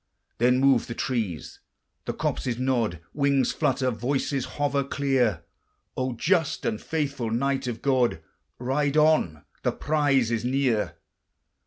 Then move the trees, the copses nod, Wings flutter, voices hover clear: "O just and faithful knight of God! Ride on! the prize is near."